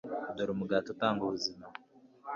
dore umugati utanga ubuzima